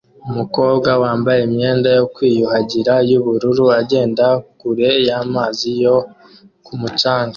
Umukobwa wambaye imyenda yo kwiyuhagira yubururu agenda kure y'amazi yo ku mucanga